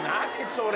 それ！